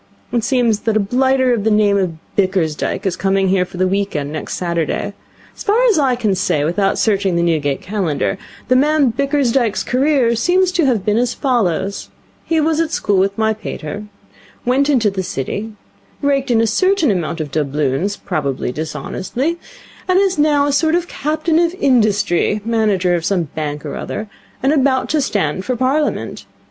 It seems that a blighter of the name of Bickersdyke is coming here for the week end next Saturday. As far as I can say without searching the Newgate Calendar, the man Bickersdyke's career seems to have been as follows. He was at school with my pater, went into the City, raked in a certain amount of doubloons probably dishonestly and is now a sort of Captain of Industry, manager of some bank or other, and about to stand for Parliament.